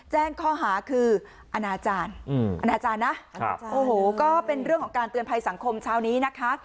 แจ้งข้อหาคืออนาจารย์อนาจารย์นะโอ้โหก็เป็นเรื่องของการเตือนภัยสังคมเช้านี้นะคะ